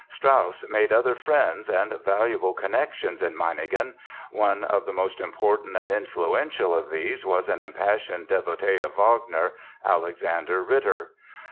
Strauss made other friends and valuable connections in Meiningen. One of the most important and influential of these was an impassioned devotee of Wagner, Alexander Ritter.